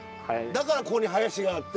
だからここに林があって。